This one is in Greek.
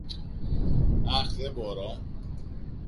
Αχ, δεν μπορώ!